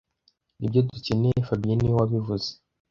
Nibyo dukeneye fabien niwe wabivuze